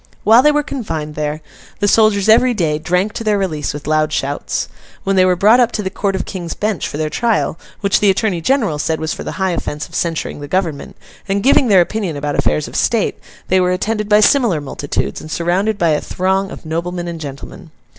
While they were confined there, the soldiers every day drank to their release with loud shouts. When they were brought up to the Court of King's Bench for their trial, which the Attorney General said was for the high offence of censuring the Government, and giving their opinion about affairs of state, they were attended by similar multitudes, and surrounded by a throng of noblemen and gentlemen.